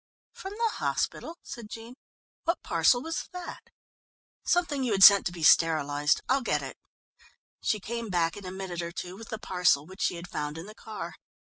"From the hospital?" said Jean. "What parcel was that?" "Something you had sent to be sterilized. I'll get it." She came back in a minute or two with the parcel which she had found in the car.